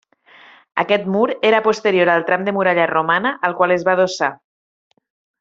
Aquest mur era posterior al tram de muralla romana, al qual es va adossar.